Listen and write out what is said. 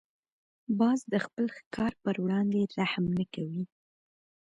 باز د خپل ښکار پر وړاندې رحم نه کوي